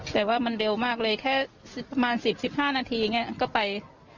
แต่ว่ามันเร็วมากเลยแค่ประมาณ๑๐๑๕นาทีอย่างนี้ก็ไป